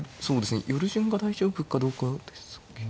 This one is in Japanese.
寄る順が大丈夫かどうかですけど。